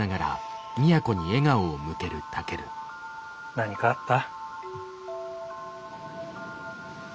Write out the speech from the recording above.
何かあった？